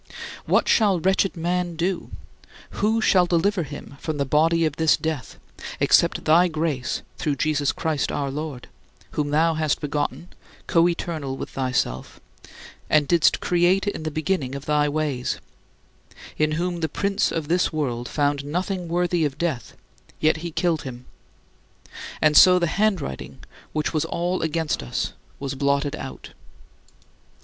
What shall "wretched man" do? "Who shall deliver him from the body of this death," except thy grace through Jesus Christ our Lord; whom thou hast begotten, coeternal with thyself, and didst create in the beginning of thy ways in whom the prince of this world found nothing worthy of death, yet he killed him and so the handwriting which was all against us was blotted out?